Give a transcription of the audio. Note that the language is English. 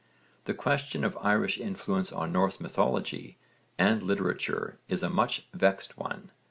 The question of Irish influence on Norse mythology and literature is a much vexed one.